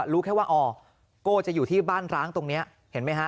รู้แค่ว่าอ๋อโก้จะอยู่ที่บ้านร้างตรงนี้เห็นไหมฮะ